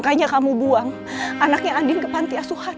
makanya kamu buang anaknya andin ke pantiasuhan